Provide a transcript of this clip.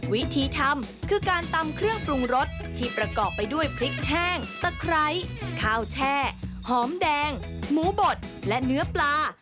วิธีทำคือการตำเครื่องปรุงรสที่ประกอบไปด้วยพริกแห้งตะไคร้ข้าวแช่หอมแดงหมูบดและเนื้อปลา